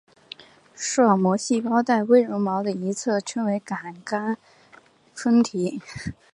视网膜细胞带微绒毛的一侧称为感杆分体。